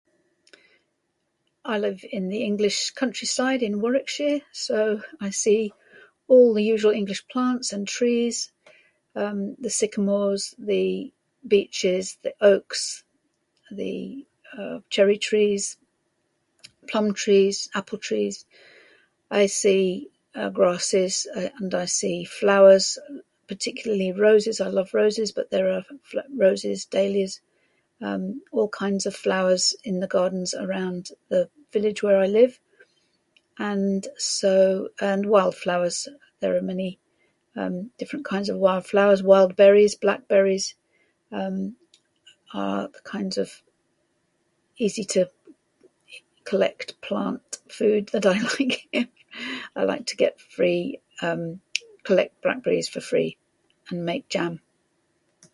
I live in the English countryside in Warwickshire so I see all the usual English plants and trees, um, the sycamores, the beeches, the oaks, the, uh, cherry trees, plum trees, apple trees. I see, uh, grasses uh and I see flowers particularly roses I love roses but there are fl- fl- roses daisies um all kinds of flowers in the gardens around the village where I live. And, so, and wildflowers there are many, um, different kinds of wildflowers. Wild berries, blackberries. Um, uh, the kinds of... easy to collect plant food that I like. I like to get free, um, collect blackberries for free and make jam.